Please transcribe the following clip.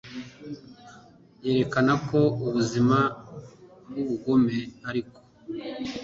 yerekana ko ubuzima bwubugome ariko